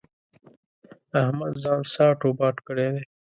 احمد ځان ساټ و باټ کړی دی.